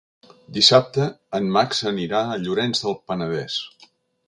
Dissabte en Max anirà a Llorenç del Penedès.